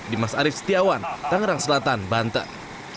dimas arief setiawan tangerang selatan banten